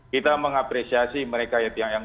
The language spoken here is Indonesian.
kita mengapresiasi mereka yang